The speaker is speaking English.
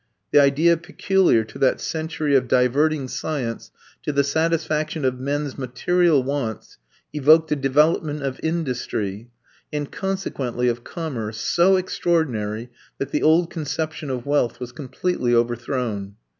The idea peculiar to that century of diverting science to the satisfaction of men's material wants evoked a development of industry, and consequently of commerce, so extraordinary that the old conception of wealth was completely overthrown.